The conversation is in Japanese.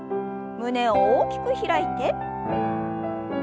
胸を大きく開いて。